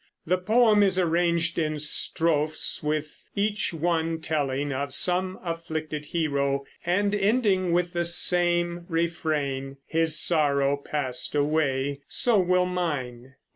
The poem is arranged in strophes, each one telling of some afflicted hero and ending with the same refrain: His sorrow passed away; so will mine.